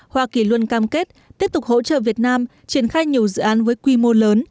hoa kỳ luôn cam kết tiếp tục hỗ trợ việt nam triển khai nhiều dự án với quy mô lớn